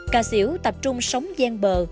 cà xỉu tập trung sống gian bờ